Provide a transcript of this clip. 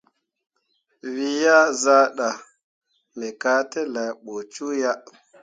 We yea zah ɗə, ruu ka tə laa ɓə cuu ya.